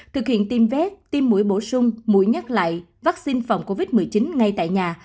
thực hiện tiêm vét tiêm mũi bổ sung mũi nhắc lại vaccine phòng covid một mươi chín ngay tại nhà